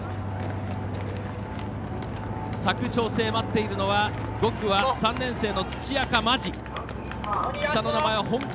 佐久長聖、待っているのは５区は３年生の土赤本気。